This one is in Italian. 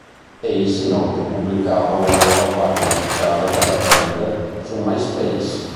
Ace, inoltre, pubblicava una nuova pagina ufficiale per la band su Myspace.